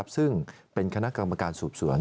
ซึ่งเป็นคณะกรรมการสืบสวน